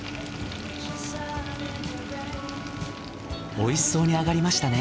美味しそうに揚がりましたね。